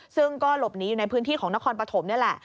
ซึ่งก็หลบหนีอยู่ในพื้นที่ของนครปฐมนี่แหละ